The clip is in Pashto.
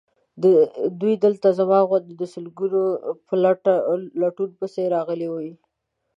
دوی دلته زما غوندې د سکون په لټون پسې راغلي وي.